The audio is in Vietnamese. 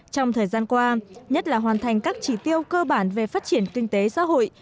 trong thời gian qua nhất là hoàn thành các chỉ tiêu cơ bản về phát triển kinh tế xã hội